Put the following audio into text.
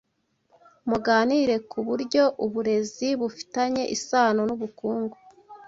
Muganire ku buryo uburezi bufitanye isano n'ubukungu